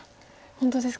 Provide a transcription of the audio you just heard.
本当ですか。